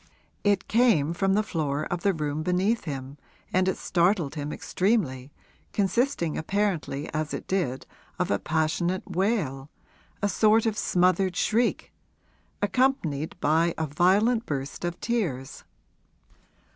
It came from the floor of the room beneath him and it startled him extremely, consisting apparently as it did of a passionate wail a sort of smothered shriek accompanied by a violent burst of tears.